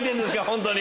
本当に。